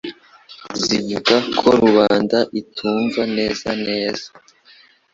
zivuga ko rubanda itumva neza neza